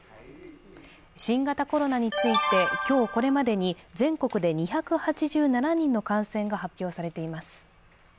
新型コロナについて、今日これまでに全国で２８７人の感染が発表されています。